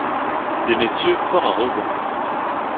Des messieurs fort arrogants.